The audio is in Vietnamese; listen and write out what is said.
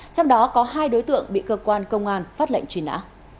trong đó có hai đối tượng bị cơ quan công an phát lệnh truy nã